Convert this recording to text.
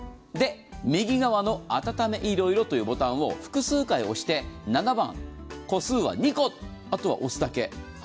で、右側の「あたためいろいろ」というボタンを複数回押して７番、個数は２個、あとは押すだけ。